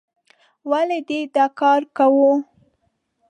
ولې دې دا کار کوو؟